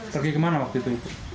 pergi ke mana waktu itu